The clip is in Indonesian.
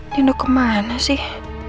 dia udah kemana sih